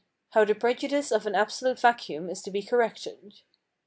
How the prejudice of an absolute vacuum is to be corrected.